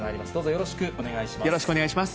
よろしくお願いします。